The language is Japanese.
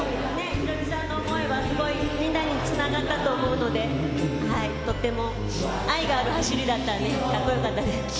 ヒロミさんの思いはすごいみんなにつながったと思うので、とっても、愛がある走りだったので、かっこよかったです。